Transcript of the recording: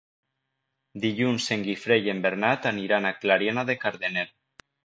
Dilluns en Guifré i en Bernat aniran a Clariana de Cardener.